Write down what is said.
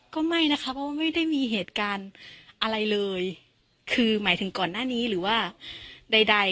ก็ไม่นะคะเพราะว่าไม่ได้มีเหตุการณ์อะไรเลยคือหมายถึงก่อนหน้านี้หรือว่าใดใด